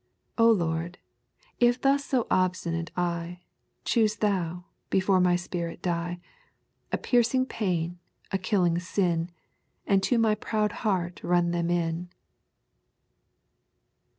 'O Lord, if thus so obstinate I, Choose Thou, before my spirit die, A piercing pain, a killing sin, And to my proud heart run them in.